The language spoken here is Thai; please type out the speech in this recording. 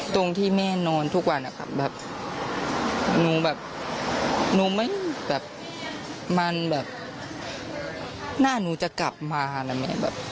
ตรงที่แม่นอนทุกวันนะครับแบบหนูแบบหนูไม่แบบมันแบบหน้าหนูจะกลับมานะแม่แบบ